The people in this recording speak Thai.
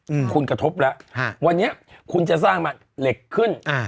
อืมคุณกระทบแล้วฮะวันนี้คุณจะสร้างมาเหล็กขึ้นอ่า